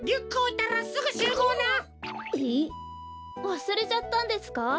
わすれちゃったんですか？